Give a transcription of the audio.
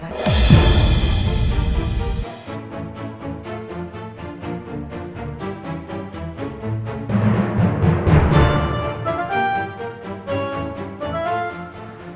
saya akan menunggu